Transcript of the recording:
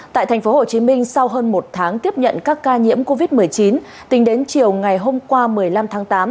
tại tp hcm sau hơn một tháng tiếp nhận các ca nhiễm covid một mươi chín tính đến chiều ngày hôm qua một mươi năm tháng tám